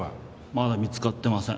まだ見つかってません。